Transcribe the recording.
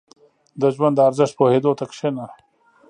• د ژوند د ارزښت پوهېدو ته کښېنه.